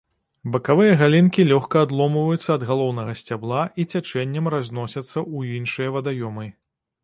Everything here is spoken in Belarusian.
Бакавыя галінкі лёгка адломваюцца ад галоўнага сцябла і цячэннем разносяцца ў іншыя вадаёмы.